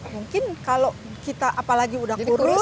mungkin kalau kita apalagi udah kurus